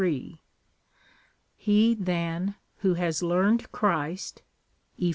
He, then, who has learned Christ, (Eph.